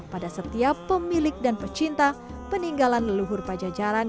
pada setiap pemilik dan pecinta peninggalan leluhur pajajaran